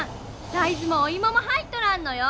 大豆もオイモも入っとらんのよ。